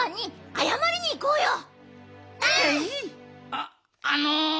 あっあの。